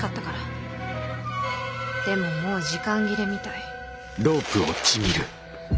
でももう時間切れみたい。